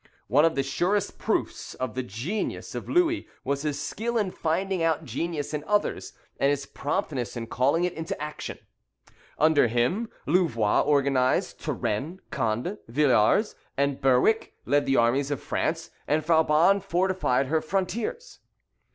One of the surest proofs of the genius of Louis was his skill in finding out genius in others, and his promptness in calling it into action. Under him, Louvois organized, Turenne, Conde, Villars and Berwick, led the armies of France; and Vauban fortified her frontiers.